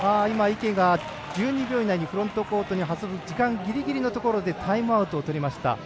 池が１２秒以内にフロントコートに入る時間ぎりぎりのところでタイムアウトをとりました。